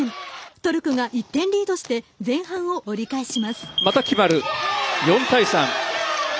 トルコが１点リードして前半を折り返します。